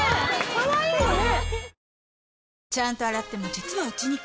かわいいよね？